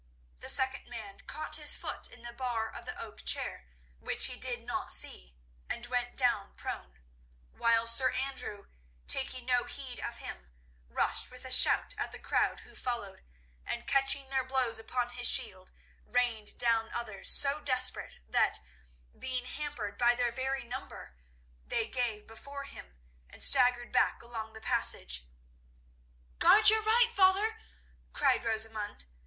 The second man caught his foot in the bar of the oak chair which he did not see, and went down prone, while Sir Andrew, taking no heed of him, rushed with a shout at the crowd who followed, and catching their blows upon his shield, rained down others so desperate that, being hampered by their very number, they gave before him, and staggered back along the passage. "Guard your right, father!" cried Rosamund.